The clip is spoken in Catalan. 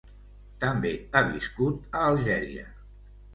També ha viscut a Algèria.